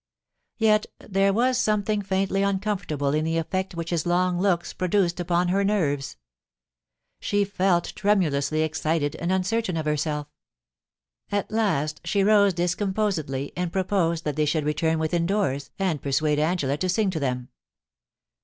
Yet there was something faintly uncomfortable in the effect which his long looks pro duced upon her nerves. She felt tremulously excited and uncertain of herself. At last she rose discomposedly and proposed that they should return within doors and persuade Angela to sing to them.